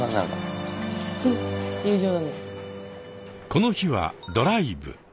この日はドライブ。